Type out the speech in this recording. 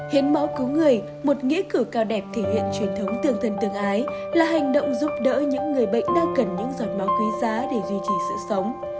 hiến máu cứu người một nghĩa cử cao đẹp thể hiện truyền thống tương thân tương ái là hành động giúp đỡ những người bệnh đang cần những giọt máu quý giá để duy trì sự sống